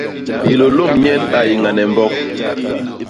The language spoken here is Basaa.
Hilôlômb nyen a yé ñane mbok.